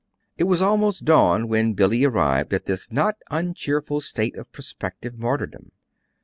It was almost dawn when Billy arrived at this not uncheerful state of prospective martyrdom.